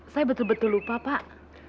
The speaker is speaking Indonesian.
saya betul betul lupa pak